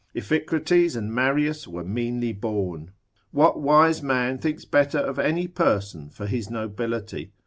Iphicrates and Marius were meanly born. What wise man thinks better of any person for his nobility?